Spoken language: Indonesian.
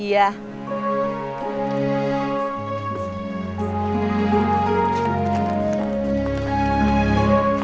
tidak ada apa apa